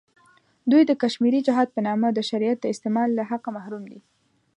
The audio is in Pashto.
دوی د کشمیري جهاد په نامه د شریعت د استعمال له حقه محروم دی.